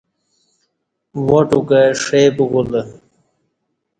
واٹ او کہ ݜے پُکولہ